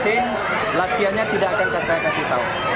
saya yakin latihannya tidak akan saya kasih tau